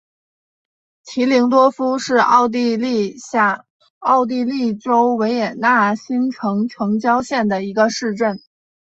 齐灵多夫是奥地利下奥地利州维也纳新城城郊县的一个市镇。